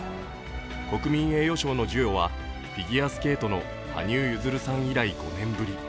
国民栄誉賞の授与はフィギュアスケートの羽生結弦さん以来５年ぶり。